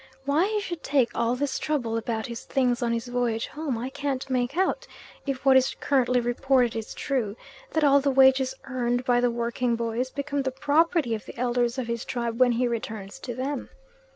Why he should take all this trouble about his things on his voyage home I can't make out, if what is currently reported is true, that all the wages earned by the working boys become the property of the Elders of his tribe when he returns to them.